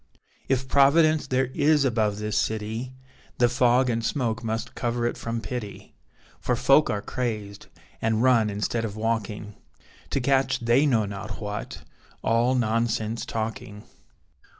If Providence there is above this city, The fog and smoke must cover it from pity, For folk are crazed, and run instead of walking, To catch they know not what all nonsense talking.